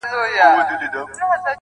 شبنچي زړه چي پر گيا باندې راوښويدی_